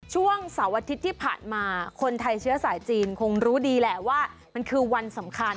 ช่วงเสาร์อาทิตย์ที่ผ่านมาคนไทยเชื้อสายจีนคงรู้ดีแหละว่ามันคือวันสำคัญ